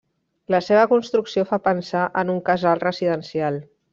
La seva construcció fa pensar en un casal residencial.